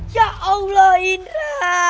ya allah indra